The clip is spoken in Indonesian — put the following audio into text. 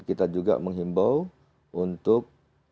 kita juga menghimbau untuk